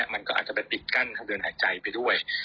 มันก็อาจจะไปปิดกั้นทางเดินหายใจไปด้วย